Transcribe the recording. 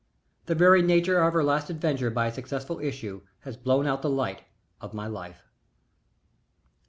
The very nature of her last adventure by a successful issue has blown out the light of my life.